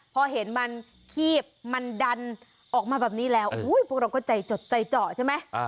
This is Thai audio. พอเห็นมันคีบมันดันออกมาแบบนี้แล้วพวกเราก็ใจจดใจเจาะใช่ไหม